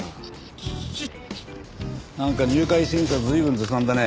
なんか入会審査随分ずさんだね。